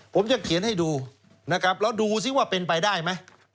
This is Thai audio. ผมจะเขียนให้ดูนะครับแล้วดูซิว่าเป็นไปได้ไหม